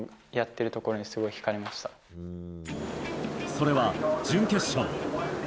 それは準決勝。